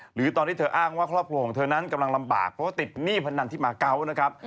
หรือตอนที่เธออ้างว่าครอบครัวของเธอนั้นกำลังลำบากเพราะว่าติดหนี้พนันที่มาเกาะนะครับ